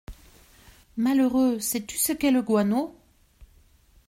Malheureux, sais-tu ce que c’est que le guano ?